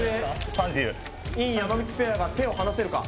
３０尹・山口ペアが手を離せるか？